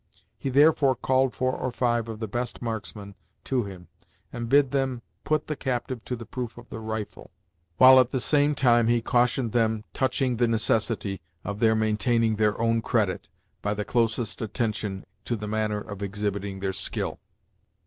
He therefore called four or five of the best marksmen to him, and bid them put the captive to the proof of the rifle, while at the same time he cautioned them touching the necessity of their maintaining their own credit, by the closest attention to the manner of exhibiting their skill.